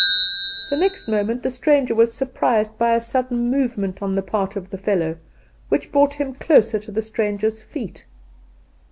The next moment the stranger was surprised by a sudden movement on the part of the fellow, which brought him close to the stranger's feet.